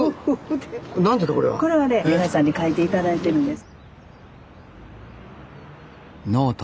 これはね皆さんに書いて頂いてるんです。